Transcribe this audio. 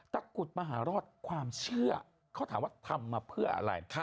กุดมหารอดความเชื่อเขาถามว่าทำมาเพื่ออะไร